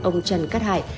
ông trần cát hải